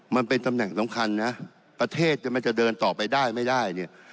มันเป็นตำแหน่งสำคัญนะประเทศมันจะเดินต่อไปได้ไม่ได้เนี่ย